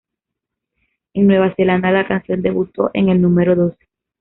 En Nueva Zelanda la canción debuto en el número doce.